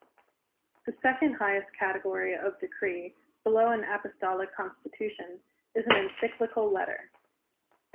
The second highest category of decree, below an apostolic constitution, is an encyclical letter.